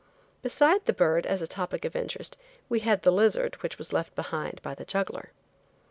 Beside the bird as a topic of interest we had the lizard which was left behind by the juggler.